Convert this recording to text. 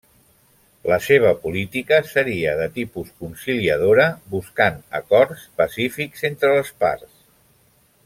La seva política seria de tipus conciliadora, buscant acords pacífics entre les parts.